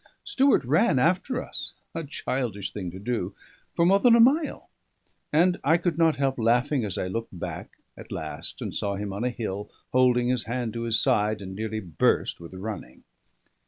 Stewart ran after us, a childish thing to do, for more than a mile; and I could not help laughing, as I looked back at last and saw him on a hill, holding his hand to his side, and nearly burst with running.